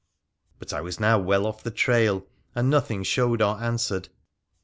But I was now well off the trail, and nothing showed or answered.